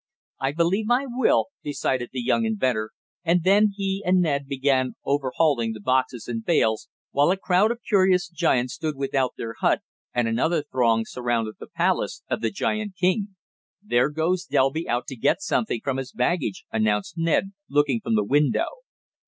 "I believe I will," decided the young inventor and then he and Ned began overhauling the boxes and bales, while a crowd of curious giants stood without their hut, and another throng surrounded the palace of the giant king. "There goes Delby out to get something from his baggage," announced Ned, looking from the window.